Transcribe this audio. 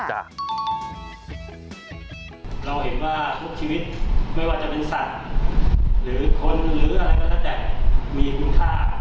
เราเห็นว่าทุกชีวิตไม่ว่าจะเป็นสัตว์หรือคนหรืออะไรก็ได้